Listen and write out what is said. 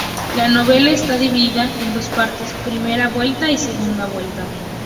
La novela está dividida en dos partes, "Primera vuelta" y "Segunda vuelta".